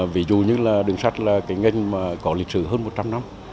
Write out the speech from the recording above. ví dụ như là đường sắt là cái ngành mà có lịch sử hơn một trăm linh năm